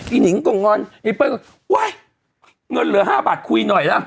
อีกนิงก็งอนไว้เงินเหลือ๕บาทคุยหน่อยแล้ว